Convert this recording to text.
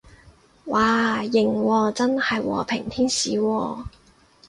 嘩，型喎，真係和平天使喎